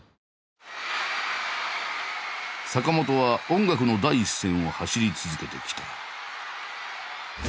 坂本は音楽の第一線を走り続けてきた。